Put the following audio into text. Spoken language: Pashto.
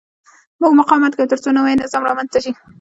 موږ مقاومت کوو ترڅو نوی نظام رامنځته شي.